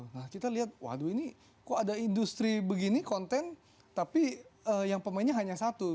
nah kita lihat waduh ini kok ada industri begini konten tapi yang pemainnya hanya satu